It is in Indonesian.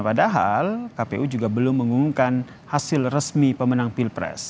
padahal kpu juga belum mengumumkan hasil resmi pemenang pilpres